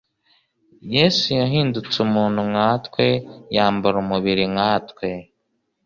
Yesu yahindutse umuntu nka twe, yambara umubiri nka twe,